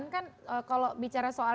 kan kalau bicara soal